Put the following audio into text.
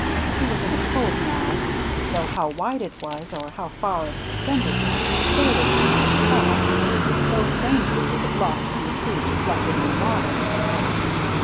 She was in a cove now, though how wide it was or how far it extended the sailors could not tell, so strangely were the bluffs and the trees reflected in the water.